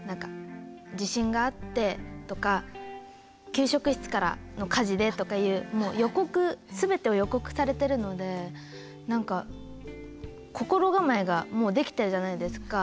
「地震があって」とか「給食室からの火事で」とかいう全てを予告されてるので何か心構えがもうできてるじゃないですか。